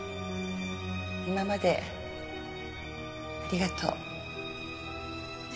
今までありがとう。